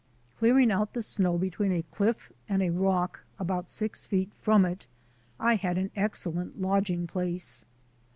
Clearing out the snow between a cliff and a rock about six feet from it, I had an excellent lodging place.